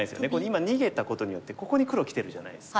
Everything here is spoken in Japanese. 今逃げたことによってここに黒きてるじゃないですか。